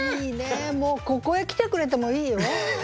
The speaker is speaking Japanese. もうここへ来てくれてもいいよ。